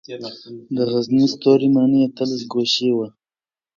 د غزني ستوري ماڼۍ اتلس ګوشې وه